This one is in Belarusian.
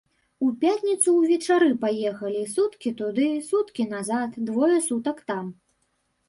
У пятніцу ўвечары паехалі, суткі туды, суткі назад, двое сутак там.